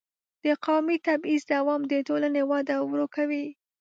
د قومي تبعیض دوام د ټولنې وده ورو کوي.